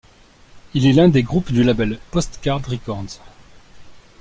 Il est l'un des groupes du label Postcard Records.